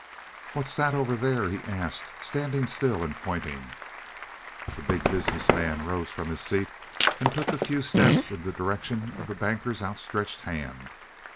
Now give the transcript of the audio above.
"What's that over there?" he asked, standing still and pointing. The Big Business Man rose from his seat and took a few steps in the direction of the Banker's outstretched hand.